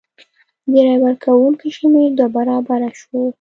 د رای ورکوونکو شمېر دوه برابره شو.